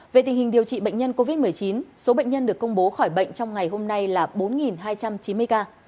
về tình hình điều trị bệnh nhân covid một mươi chín số bệnh nhân được công bố khỏi bệnh trong ngày hôm nay là bốn hai trăm chín mươi ca